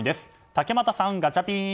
竹俣さん、ガチャピン！